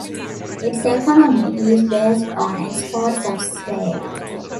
Its economy is based on exports of slate.